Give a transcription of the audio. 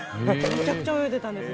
めちゃくちゃ泳いでたんです。